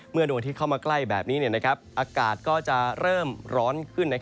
ดวงอาทิตย์เข้ามาใกล้แบบนี้อากาศก็จะเริ่มร้อนขึ้น